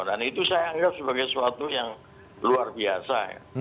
dan itu saya anggap sebagai sesuatu yang luar biasa